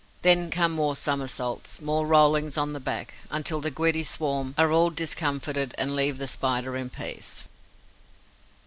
Then come more somersaults, more rollings on the back, until the giddy swarm are all discomfited and leave the Spider in peace.